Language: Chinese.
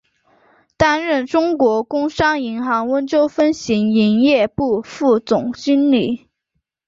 担任中国工商银行温州分行营业部副总经理。